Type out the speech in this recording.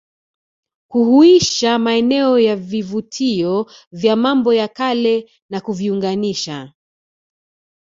kuhuisha maeneo ya vivutio vya mambo ya Kale na kuviunganisha